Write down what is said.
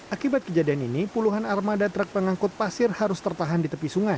akibat kejadian ini puluhan armada truk pengangkut pasir harus tertahan di tepi sungai